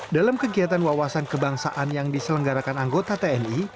dalam kegiatan wawasan kebangsaan yang diselenggarakan anggota tni